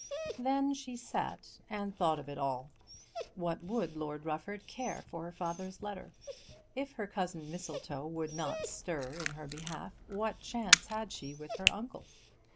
Then she sat and thought of it all. What would Lord Rufford care for her father's letter? If her cousin Mistletoe would not stir in her behalf what chance had she with her uncle?